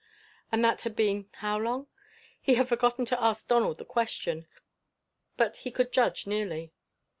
And that had been how long? He had forgotten to ask Donald the question, but he could judge nearly.